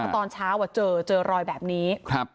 ตอนเช้าเจอเจอรอยแบบนี้